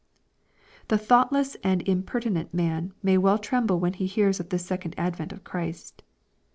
The thoughtless and impenitent man may well tremble when he hears of this second advent of Christ.